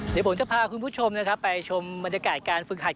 เดี๋ยวผมจะพาคุณผู้ชมไปชมบรรยากาศการฟึกหัด